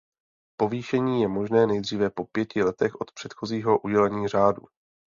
Povýšení je možné nejdříve po pěti letech od předchozího udělení řádu.